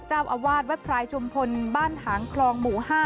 เจ้าอาวาสวัดพรายชุมพลบ้านหางคลองหมู่๕